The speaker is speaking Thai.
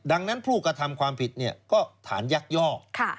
ดังนั้นผู้กระทำความผิดก็ฐานยักยอก